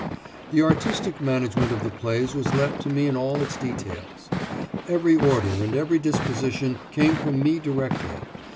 The artistic management of the plays was left to me in all its details. Every order and every disposition came from me directly.